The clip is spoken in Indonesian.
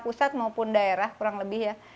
pusat maupun daerah kurang lebih ya